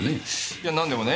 いやなんでもね